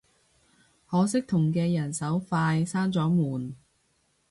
可惜同嘅人手快閂咗門